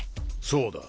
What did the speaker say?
そうだ。